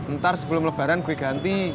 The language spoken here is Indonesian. ntar sebelum lebaran gue ganti